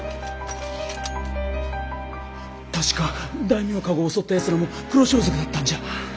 確か大名駕籠を襲ったやつらも黒装束だったんじゃ。